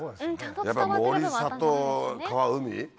やっぱり森里川海？